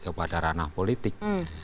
kepada ranah politik